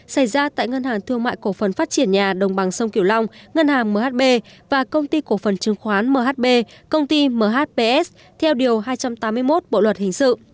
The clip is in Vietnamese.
xảy ra tại ngân hàng thương mại cổ phần phát triển nhà đồng bằng sông kiểu long ngân hàng mhb và công ty cổ phần chứng khoán mhb công ty mhps theo điều hai trăm tám mươi một bộ luật hình sự